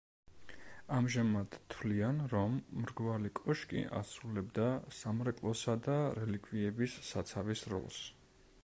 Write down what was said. ამჟამად თვლიან, რომ მრგვალი კოშკი ასრულებდა სამრეკლოსა და რელიკვიების საცავის როლს.